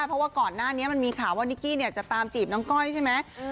เพราะว่าก่อนหน้านี้มันมีข่าวว่านิกกี้จะตามจีบน้องก้อยใช่ไหม